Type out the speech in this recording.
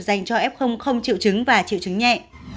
dành cho f không chịu chứng và chịu chứng nhẹ